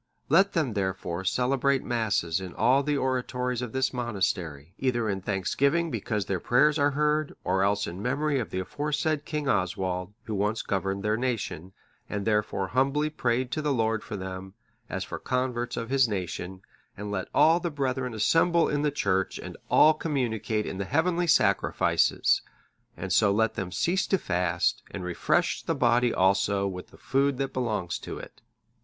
Let them, therefore, celebrate Masses in all the oratories of this monastery, either in thanksgiving because their prayers are heard, or else in memory of the aforesaid King Oswald, who once governed their nation,(630) and therefore humbly prayed to the Lord for them, as for converts of his nation; and let all the brethren assemble in the church, and all communicate in the heavenly Sacrifices, and so let them cease to fast, and refresh the body also with the food that belongs to it."